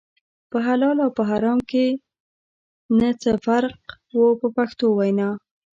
په حلال او په حرام کې نه څه فرق و په پښتو وینا.